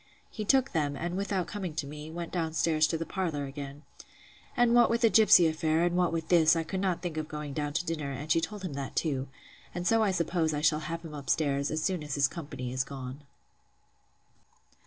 He took them; and, without coming to me, went down to the parlour again. And what with the gipsy affair, and what with this, I could not think of going down to dinner; and she told him that too; and so I suppose I shall have him up stairs, as soon as his company is gone.